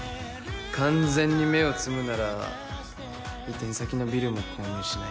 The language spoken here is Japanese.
完全に芽を摘むなら移転先のビルも購入しないと。